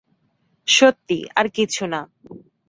সত্যি আর কিছু না।